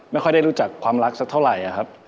ไม่ค่อยได้รู้จักความรักสักเท่าไหร่ครับ